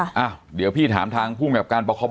อ้าวเดี๋ยวพี่ถามทางผู้กรรมการปค